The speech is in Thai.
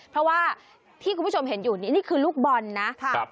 เพราะว่าที่คุณผู้ชมเห็นอยู่นี่คือลูกบอลนะครับ